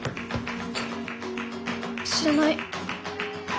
知らない。